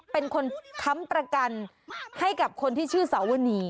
เป็นคนค้ำประกันให้กับคนที่ชื่อสาวนี